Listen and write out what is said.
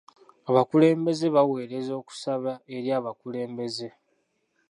Abakulembeze bawerezza okusaba eri abakulembeze.